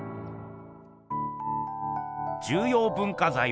重要文化財を。